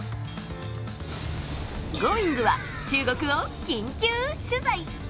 「Ｇｏｉｎｇ！」は中国を緊急取材。